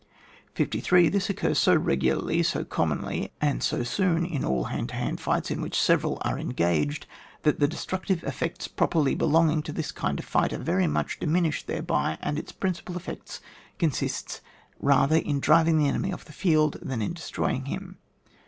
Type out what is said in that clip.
53. This occurs so regiJarly, so com monly, and so soon in all hand to hand fights in which several are engaged, that the destructive effects properly be longing to this kind of fight are very much diminished thereby, and its prin cipal effect consists rather in driving the enemy off the fidd, than in destroy ing him.